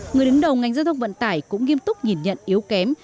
người đứng đầu ngành giao thông vận tải cũng nghiêm túc nhìn nhận yếu kém